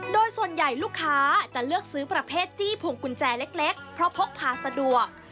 โดยส่วนใหญ่ลูกค้าจะเลือกซื้อประเภทจี้พุงกุญแจเล็กเพราะพกพาสะดวก